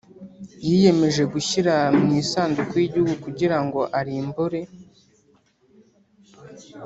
yiyemeje gushyira mu isanduku y’igihugu kugira ngo arimbure